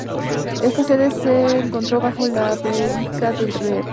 Esta sede se encontró bajo la predica del Rev.